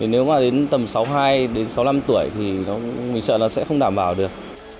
nếu mà đến tầm sáu mươi hai đến sáu mươi năm tuổi thì mình sợ là sẽ không đảm bảo được